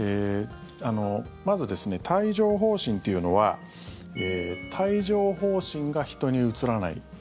まず、帯状疱疹というのは帯状疱疹が人にうつらない。